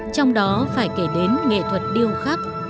trong đó phải kể đến nghệ thuật điêu khắc